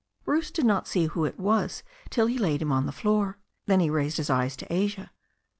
Bruce did not see who it was till he laid him on the floor. Then he raised his eyes to Asia.